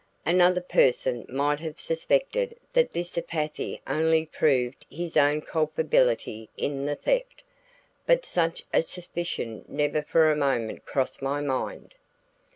Another person might have suspected that this apathy only proved his own culpability in the theft, but such a suspicion never for a moment crossed my mind.